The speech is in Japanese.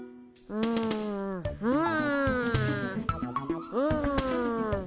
うんうん。